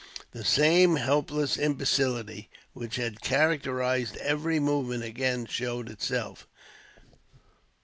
The same helpless imbecility, which had characterized every movement, again showed itself.